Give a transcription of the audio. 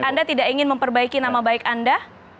anda tidak ingin memperbaiki nama baik anda